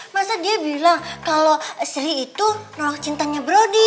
masa dia bilang kalau sri itu nolak cintanya brodi